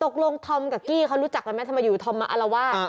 ตกลงทอมกับกี้พี่เขารู้จักกันไหมที่มาอยู่ทอมมาเรียนกันล่ะว่า